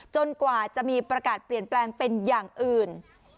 กว่าจะมีประกาศเปลี่ยนแปลงเป็นอย่างอื่น